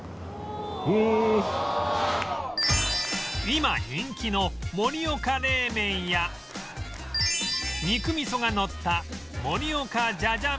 今人気の盛岡冷麺や肉みそがのった盛岡じゃじゃ